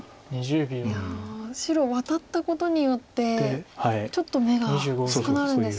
いや白ワタったことによってちょっと眼が薄くなるんですか。